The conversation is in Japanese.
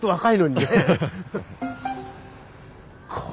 はい。